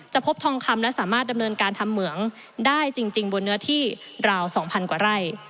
พบทองคำและสามารถดำเนินการทำเหมืองได้จริงบนเนื้อที่ราว๒๐๐กว่าไร่